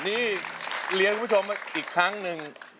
นี่เรียนคุณผู้ชมอีกครั้งหนึ่ง